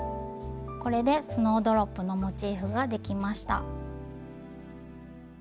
これでスノードロップのモチーフができました。